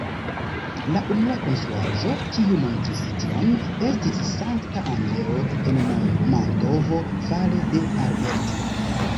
La unua konstruaĵo kiu montris tion estis Sankta Andreo en Mantovo fare de Alberti.